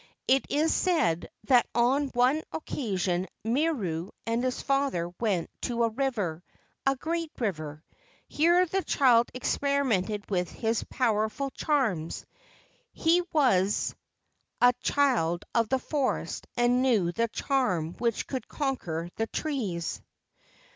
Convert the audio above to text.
It is said that on one occasion Miru and his father went to a river, a great river. Here the child experimented with his power¬ ful charms. He was a child of the forest and knew the charm which could conquer the trees.